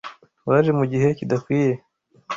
Waje mugihe kidakwiye